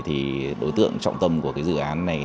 thì đối tượng trọng tâm của cái dự án này